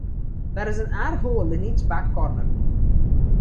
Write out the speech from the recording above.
There is an airhole in each back corner.